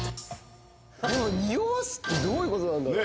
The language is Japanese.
でもにおわすってどういうことなんだろう？